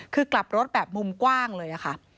คือกลับรถแบบมุมกว้างเลยค่ะ